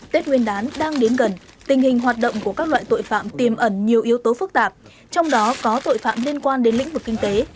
tết nguyên đán đang đến gần tình hình hoạt động của các loại tội phạm tiềm ẩn nhiều yếu tố phức tạp trong đó có tội phạm liên quan đến lĩnh vực kinh tế